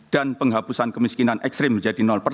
dan penghabusan kemiskinan ekstrim menjadi